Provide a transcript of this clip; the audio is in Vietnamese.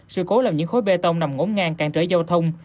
sửa cố làm những khối bê tông nằm ngốn ngang càng trởi giao thông